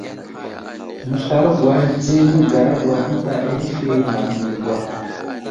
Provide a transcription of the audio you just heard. Məslarogwa ahe di nəgaragwa ənta alifi ghar məlgwa.